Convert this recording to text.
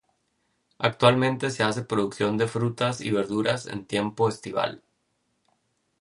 Actualmente se hace producción de frutas y verduras en tiempo estival.